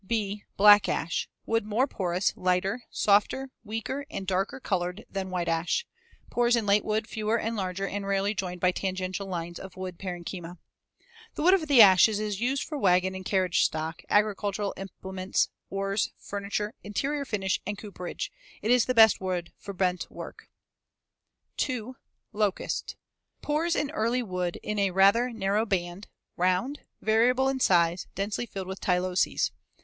(b) Black ash. Wood more porous, lighter, softer, weaker, and darker colored than white ash. Pores in late wood fewer and larger and rarely joined by tangential lines of wood parenchyma. The wood of the ashes is used for wagon and carriage stock, agricultural implements, oars, furniture, interior finish, and cooperage. It is the best wood for bent work. [Illustration: FIG. 149. Hickory Wood. (Magnified 45 times.)] 2. Locust. Pores in early wood in a rather narrow band, round, variable in size, densely filled with tyloses.